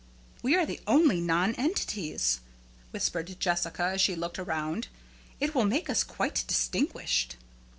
"We are the only nonentities," whispered Jessica, as she looked around; "it will make us quite distinguished."